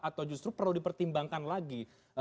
atau justru perlu dipertimbangkan lagi